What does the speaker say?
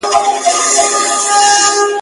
چي د تل لپاره ..